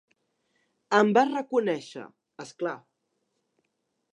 Em va reconèixer, és clar